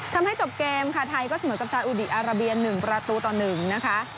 ทำให้จบเกมค่ะไทยก็เสมอกับซาอูดีอาราเบีย๑ละตัวต่อ๑นะคะ